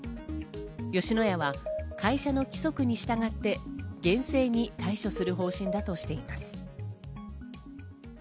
吉野家は会社の規則に従って厳正に対処する方針だとしています。